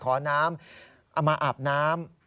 ขอน้ำเอามาอาบน้ำ